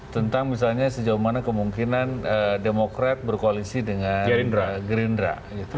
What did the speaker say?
tentang misalnya sejauh mana kemungkinan demokrat berkoalisi dengan gerindra